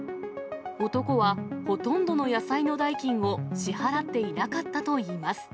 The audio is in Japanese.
男はほとんどの野菜の代金を支払っていなかったといいます。